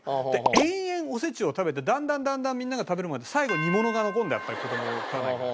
延々お節を食べてだんだんだんだんみんなが食べるまで最後煮物が残るんだやっぱり子供食わないから。